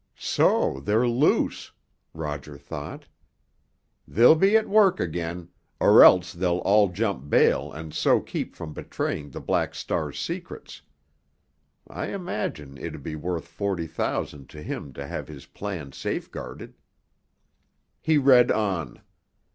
"So they're loose!" Roger thought. "They'll be at work again—or else they'll all jump bail and so keep from betraying the Black Star's secrets. I imagine it'd be worth forty thousand to him to have his plans safeguarded." He read on.